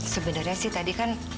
sebenarnya sih tadi kan